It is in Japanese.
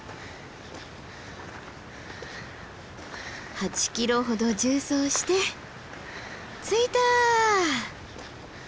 ８ｋｍほど縦走して着いた。